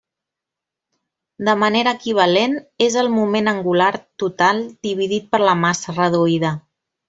De manera equivalent, és el moment angular total dividit per la massa reduïda.